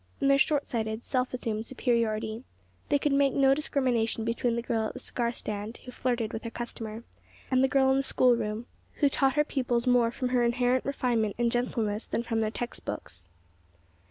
In their short sighted, self assumed superiority, they could make no discrimination between the girl at the cigar stand, who flirted with her customer, and the girl in the school room, who taught her pupils more from her inherent refinement and gentleness than from their text books.